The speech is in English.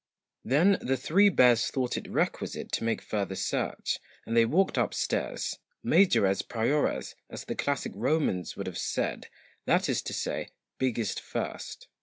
Then the three bears thought it requisite to make further search, and they walked upstairs, ' majores priores,' as the classic Romans would have said, that is to say, biggest first.